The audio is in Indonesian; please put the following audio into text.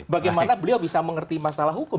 bagaimana beliau bisa mengerti masalah hukum